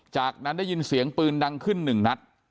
จากนั้นได้ยินเสียงปืนดังขึ้นหนึ่งนัด